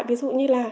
ví dụ như là